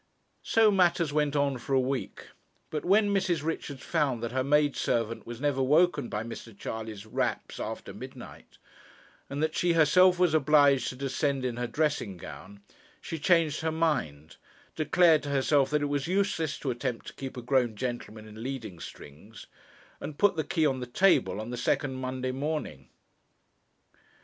So matters went on for a week; but when Mrs. Richards found that her maidservant was never woken by Mr. Charley's raps after midnight, and that she herself was obliged to descend in her dressing gown, she changed her mind, declared to herself that it was useless to attempt to keep a grown gentleman in leading strings, and put the key on the table on the second Monday morning.